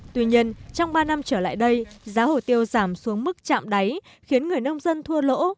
tuy nhiên trong ba năm trở lại đây giá hồ tiêu giảm xuống mức chạm đáy khiến người nông dân thua lỗ